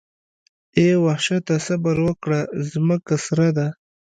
اې وحشته صبر وکړه ځمکه سره ده.